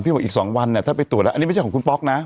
บอกอีก๒วันเนี่ยถ้าไปตรวจแล้วอันนี้ไม่ใช่ของคุณป๊อกนะ